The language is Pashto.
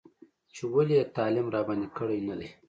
چې ولې یې تعلیم راباندې کړی نه دی.